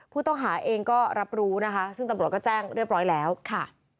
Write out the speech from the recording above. ผู้ต้องหาเองก็รับรู้นะคะซึ่งตำรวจก็แจ้งเรียบร้อยแล้วค่ะ